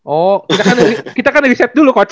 oh kita kan dari set dulu coach